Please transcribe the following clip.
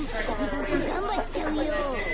ボクがんばっちゃうよ。